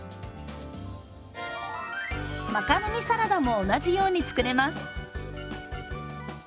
マカロニサラダも同じように作れます。